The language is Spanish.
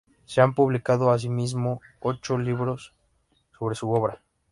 Se han publicado, asimismo, ocho libros sobre su obra.